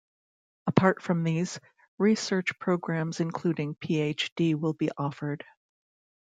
Apart from these, research programmes including Ph.D. will be offered.